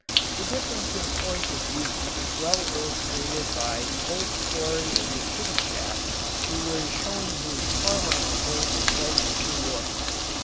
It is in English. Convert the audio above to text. The difference in point of view is well illustrated by the old story of the city chap who was showing his farmer uncle the sights of New York.